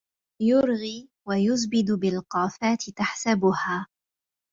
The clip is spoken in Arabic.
يرغي ويزبد بالقافات تحسبها